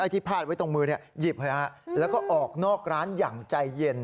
ไอ้ที่พาดไว้ตรงมือเนี่ยหยิบไว้ฮะแล้วก็ออกนอกร้านอย่างใจเย็น